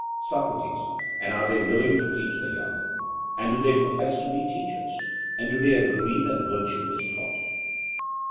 SOCRATES: And are they willing to teach the young? and do they profess to be teachers? and do they agree that virtue is taught?